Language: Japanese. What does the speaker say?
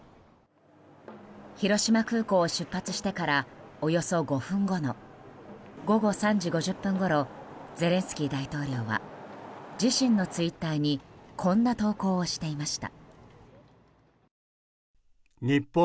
広島空港を出発してからおよそ５分後の午後３時５０分ごろゼレンスキー大統領は自身のツイッターにこんな投稿をしていました。